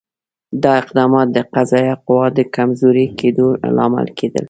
دا اقدامات د قضایه قوې د کمزوري کېدو لامل کېدل.